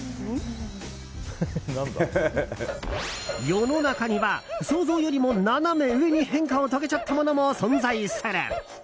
世の中には想像よりもナナメ上に変化を遂げちゃったものも存在する。